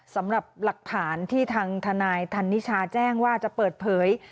สำหรับหลักฐานที่ทางทนายธันนิชาแจ้งว่าจะเปิดเผย